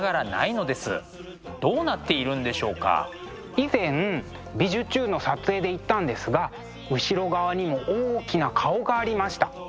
以前「びじゅチューン！」の撮影で行ったんですが後ろ側にも大きな顔がありました。